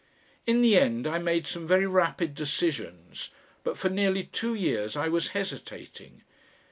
In the end I made some very rapid decisions, but for nearly two years I was hesitating.